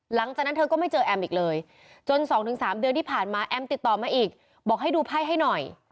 หลังจากนั้นเธอก็ไม่เจอแอมอีกเลยจน๒๓เดือนที่ผ่านมาแอมติดต่อมาอีกบอกให้ดูไพ่ให้หน่อย